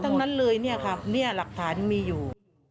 ทั้งนั้นเลยเนี่ยค่ะเนี่ยหลักฐานมีอยู่